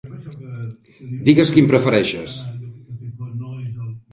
Digues quin prefereixes.